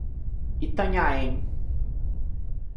Itanhaém